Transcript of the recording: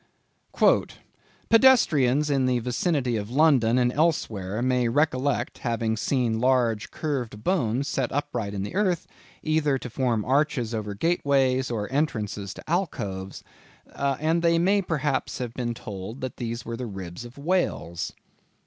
Ex_. "Pedestrians in the vicinity of London and elsewhere may recollect having seen large curved bones set upright in the earth, either to form arches over gateways, or entrances to alcoves, and they may perhaps have been told that these were the ribs of whales."